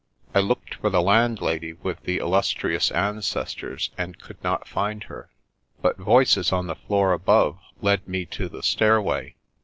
I looked for the landlady with the illustrious ancestors, and could not find her; but voices on the floor above led me to the stairway.